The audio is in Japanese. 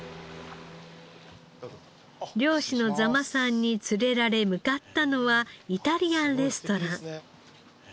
漁師の座間さんに連れられ向かったのはイタリアンレストラン。